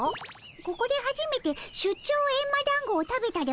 ここではじめて出張エンマだんごを食べたでおじゃる。